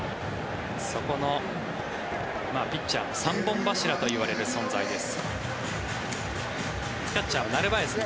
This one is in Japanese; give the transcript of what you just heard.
そこのピッチャーの三本柱といわれる存在です。